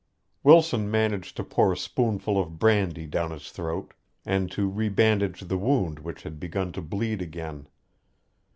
Wilson managed to pour a spoonful of brandy down his throat and to rebandage the wound which had begun to bleed again.